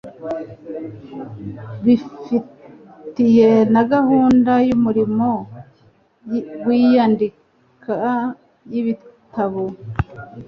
bifatiye na gahunda y'umurimo w'iyandika ry'ibitabo,